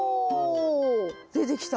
出てきた。